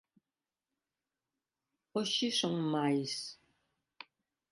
Hoxe son máis.